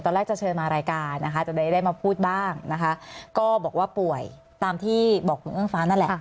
แรกจะเชิญมารายการนะคะจะได้มาพูดบ้างนะคะก็บอกว่าป่วยตามที่บอกคุณเอื้องฟ้านั่นแหละ